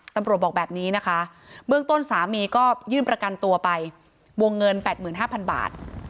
บอกแบบนี้นะคะเบื้องต้นสามีก็ยื่นประกันตัวไปวงเงิน๘๕๐๐บาท